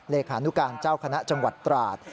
เลขานุการเจ้าคณะจังหวัดตราด